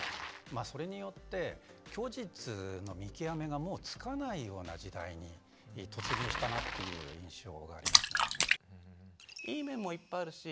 それによって虚実の見極めがもうつかないような時代に突入したなという印象がありますね。